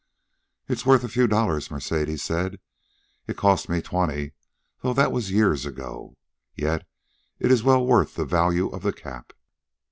"It's worth a few dollars," Mercedes said. "It cost me twenty, though that was years ago. Yet it is well worth the value of the cap."